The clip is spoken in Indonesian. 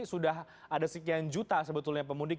sudah ada sekian juta sebetulnya pemudik